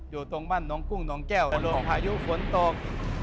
อยู่ตรงบ้านน้องกุ้งน้องแก้วพายุฝนตก